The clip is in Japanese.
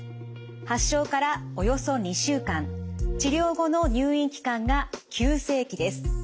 発症からおよそ２週間治療後の入院期間が急性期です。